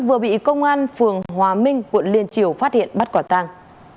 vừa bị công an phường hòa minh quận liên triều phát hiện bắt quả tang